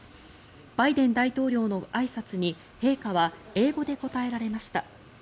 バイデン大統領のあいさつに陛下は英語で答えられました。